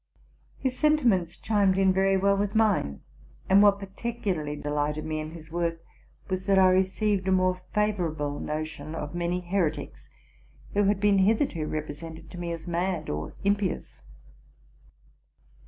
His senti ments chimed in very well with mine; and what particularly delighted me in his work was, that I received a more fayora RELATING TO MY LIFE. 291 ble notion of many heretics, who had been hitherto repre sented to me as mad or impious.